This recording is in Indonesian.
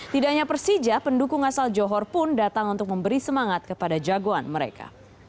tidak hanya persija pendukung asal johor pun datang untuk memberi semangat kepada jagoan mereka